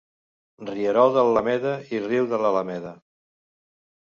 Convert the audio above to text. Rierol de l'Alameda i riu de l'Alameda.